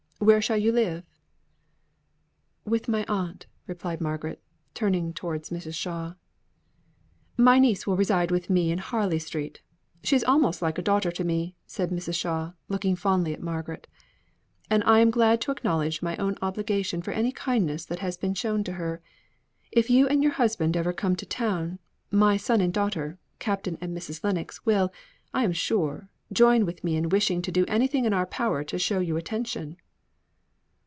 Where shall you live?" "With my aunt," replied Margaret, turning towards Mrs. Shaw. "My niece will reside with me in Harley Street. She is almost like a daughter to me," said Mrs. Shaw, looking fondly at Margaret; "and I am glad to acknowledge my own obligation for any kindness that has been shown to her. If you and your husband ever come to the town, my son and daughter, Captain and Mrs. Lennox, will, I am sure, join with me in wishing to do anything in our power to show you attention."